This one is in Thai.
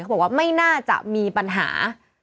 บอกว่าไม่น่าจะมีปัญหา